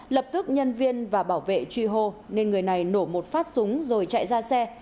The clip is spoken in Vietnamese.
lập tức nhân viên và bảo vệ truy hô nên người này nổ một phát súng rồi chạy ra xe